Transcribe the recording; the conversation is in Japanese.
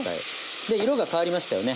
色が変わりましたよね。